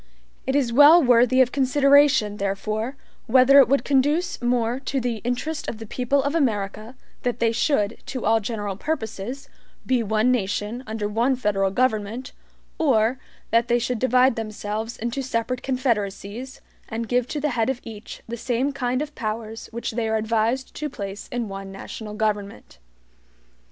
It is well worthy of consideration therefore, whether it would conduce more to the interest of the people of America that they should, to all general purposes, be one nation, under one federal government, or that they should divide themselves into separate confederacies, and give to the head of each the same kind of powers which they are advised to place in one national government.